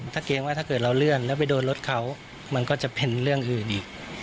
ถ้าเกรงว่าถ้าเกิดเราเลื่อนแล้วไปโดนรถเขามันก็จะเป็นเรื่องอื่นอีก